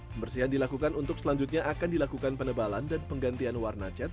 pembersihan dilakukan untuk selanjutnya akan dilakukan penebalan dan penggantian warna cat